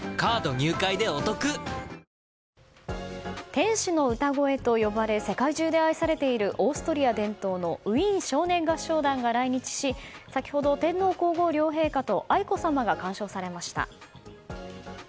天使の歌声と呼ばれ世界中で愛されているオーストリア伝統のウィーン少年合唱団が来日し先ほど天皇・皇后両陛下と愛子さまが鑑賞されました。